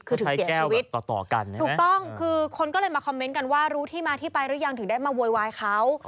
คือถึงเสียชีวิตถูกต้องคือคนก็เลยมาคอมเมนต์กันว่ารู้ที่มาที่ไปหรือยังถึงได้มาโวยวายเขา